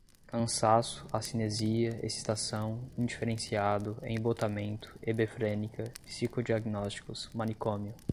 cansaço, acinesia, excitação, indiferenciado, embotamento, hebefrênica, psicodiagnósticos, manicômio